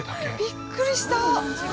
◆びっくりした！